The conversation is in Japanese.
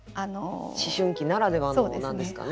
思春期ならではのなんですかね。